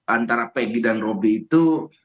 antara pegi dan robi itu